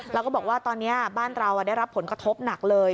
แล้วก็บอกว่าตอนนี้บ้านเราได้รับผลกระทบหนักเลย